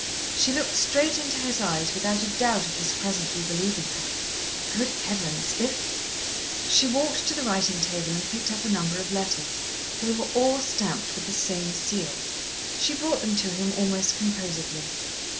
She looked straight into his eyes without a doubt of his presently believing her. Good heavens! if She walked to the writing table and picked up a number of letters. They were all stamped with the same seal. She brought them to him almost composedly.